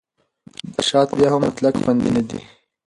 شات بیا هم مطلق خوندي نه دی.